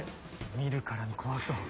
見るからに怖そう。